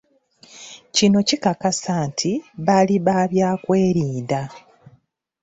Kino kikakasa nti baali ba byakwerinda.